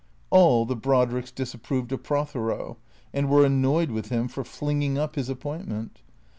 All the Brodricks disapproved of Prothero and were annoyed with him for flinging up his appointment.